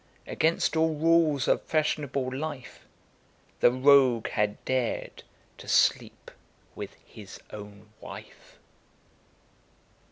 Against all rules of fashionable life, The rogue had dared to sleep with his own wife.